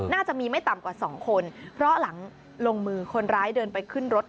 น่าจะมีไม่ต่ำกว่าสองคนเพราะหลังลงมือคนร้ายเดินไปขึ้นรถ